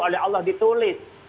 oleh allah ditulis